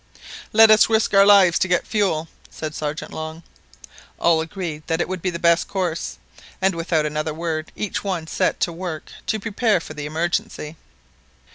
"Let us risk our lives to get fuel !" said Sergeant Long. All agreed that it would be the best course, and without another word each one set to work to prepare for the emergency.